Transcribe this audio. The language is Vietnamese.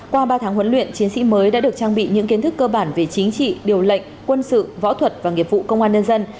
qua ba tháng huấn luyện chiến sĩ mới đã được trang bị những kiến thức cơ bản về chính trị điều lệnh quân sự võ thuật và nghiệp vụ công an nhân dân